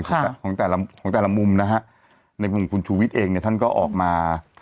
ค่ะของแต่ละของแต่ละมุมนะฮะในกลุ่มคุณชูวิตเองเนี้ยท่านก็ออกมา